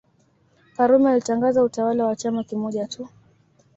Karume alitangaza utawala wa chama kimoja tu